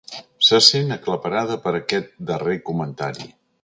Se sent aclaparada per aquest darrer comentari.